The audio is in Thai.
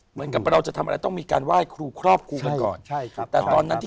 เหมือนกับเราจะทำอะไรต้องมีการไหว้ครูครอบครูก่อน